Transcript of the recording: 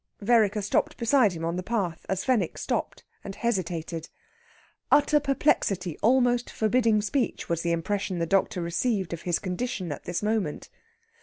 Vereker stopped beside him on the path, as Fenwick stopped and hesitated. Utter perplexity almost forbidding speech was the impression the doctor received of his condition at this moment.